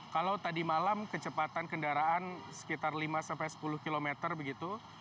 kalau tadi malam kecepatan kendaraan sekitar lima sampai sepuluh km begitu